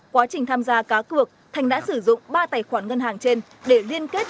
quá trình tham gia cá cược thành đã sử dụng ba tài khoản ngân hàng trên để liên kết